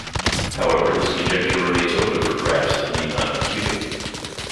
However, this conjecture remains open for graphs that need not be cubic.